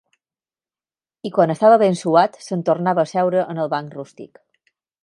I quan estava ben suat s'entornava a seure en el banc rústic